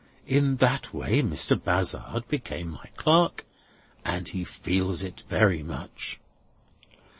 In that way Mr. Bazzard became my clerk, and he feels it very much."